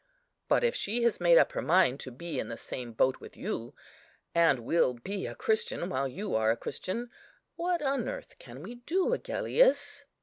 "But if she has made up her mind to be in the same boat with you, and will be a Christian while you are a Christian, what on earth can we do, Agellius?"